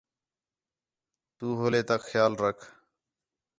تو ہولے تک خیال رکھ